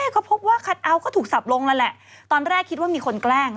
ก็พบว่าคัทเอาท์ก็ถูกสับลงแล้วแหละตอนแรกคิดว่ามีคนแกล้ง